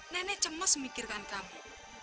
nenek cemas mikirkan kamu